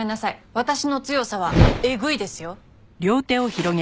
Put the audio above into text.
私の強さはエグいですよ。